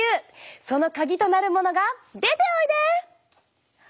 そのカギとなるものが出ておいで！